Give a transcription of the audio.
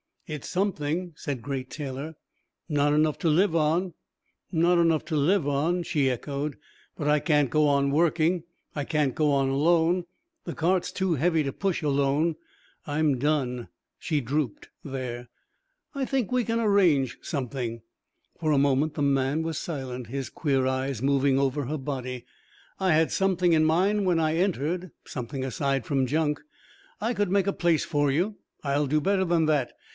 "It's something," said Great Taylor. "Not enough to live on." "Not enough to live on," she echoed. "But I can't go on working. I can't go on alone. The cart's too heavy to push alone. I'm done." She drooped there. "I think we can arrange something." For a moment the man was silent, his queer eyes moving over her body. "I had something in mind when I entered something aside from junk. I could make a place for you. I'll do better than that.